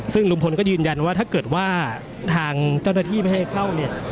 ซึ่งลงพลก็ยืนยันว่าถ้าเกิดว่าชนัจฐาที่ไม่ให้เข้า